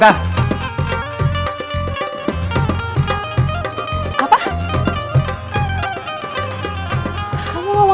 eh tunggu sebentar